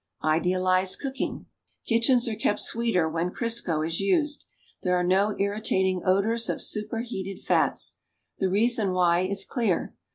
IDEALIZED COOKING Kitchens are kept sweeter when Crisco is used. There are no irritating odors of superheated fats. The reason why is clear.